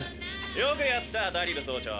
よくやったダリル曹長。